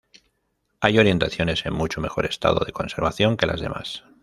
Hay orientaciones en mucho mejor estado de conservación que las demás.